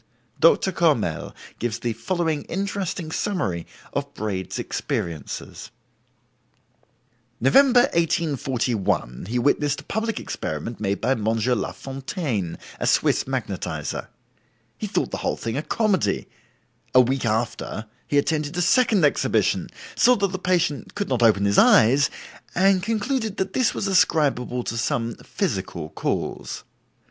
Doctor Courmelles gives the following interesting summary of Braid's experiences: "November, 1841, he witnessed a public experiment made by Monsieur Lafontaine, a Swiss magnetizer. He thought the whole thing a comedy; a week after, he attended a second exhibition, saw that the patient could not open his eyes, and concluded that this was ascribable to some physical cause.